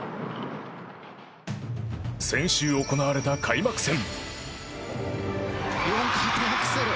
先週行われた開幕戦。